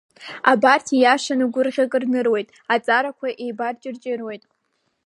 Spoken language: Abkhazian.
Абарҭ, ииашан, гәырӷьак рныруеит, аҵарақәа еибарҷырҷыруеит!